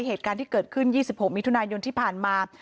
เหตุการณ์ที่เกิดขึ้น๒๖มิถุนายนที่ผ่านมา